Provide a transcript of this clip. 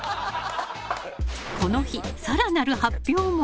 この日、更なる発表も。